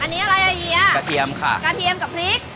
อันนี้อะไรอ่ะเยียกระเทียมค่ะกระเทียมกับพริก